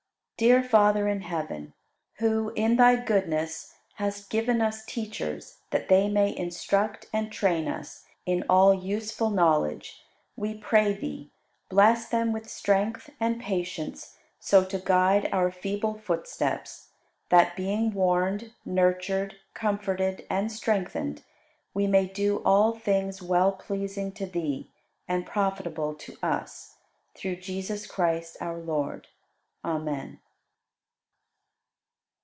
110. Dear Father in heaven, who in Thy goodness hast given us teachers that they may instruct and train us in all useful knowledge, we pray Thee, bless them with strength and patience so to guide our feeble footsteps that, being warned, nurtured, comforted, and strengthened, we may do all things well pleasing to Thee and profitable to us; through Jesus Christ, our Lord. Amen.